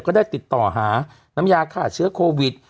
ก็ได้ติดต่อหาน้ำยาฆ่าเชื้อโควิด